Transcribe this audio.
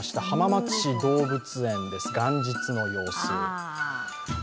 浜松市動物園です、元日の様子。